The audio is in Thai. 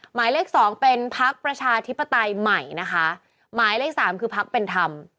หมายเลขสองเป็นพักประชาธิปไตยใหม่นะคะหมายเลขสามคือพักเป็นธรรม